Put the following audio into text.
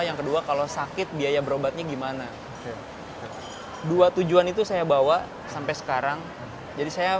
yang kedua kalau sakit biaya berobatnya gimana dua tujuan itu saya bawa sampai sekarang jadi saya